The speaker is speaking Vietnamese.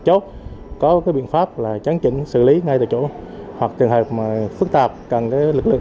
chốt có biện pháp là chắn chỉnh xử lý ngay tại chỗ hoặc trường hợp phức tạp cần lực lượng